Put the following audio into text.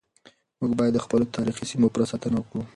موږ بايد د خپلو تاريخي سيمو پوره ساتنه وکړو.